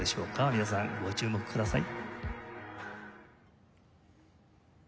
皆さんご注目ください。